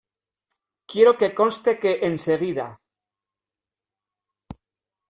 Quiero que conste que enseguida.